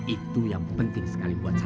itu yang penting sekali buat saya